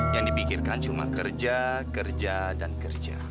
yang dipikirkan cuma kerja kerja dan kerja